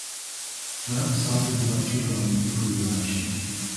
Vance opted not to run for reelection.